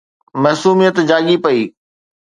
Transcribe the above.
معصوميت جاڳي پئي